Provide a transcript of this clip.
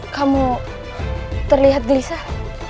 kamu terlihat gelisah